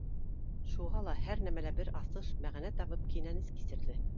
Шуға һәр нәмәлә бер асыш, мәғәнә табып, кинәнес кисерҙе